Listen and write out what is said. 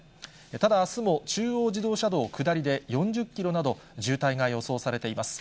ただ、あすも中央自動車道下りで４０キロなど、渋滞が予想されています。